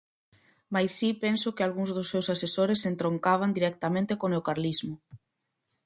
Mais si penso que algúns dos seus asesores entroncaban directamente co neocarlismo.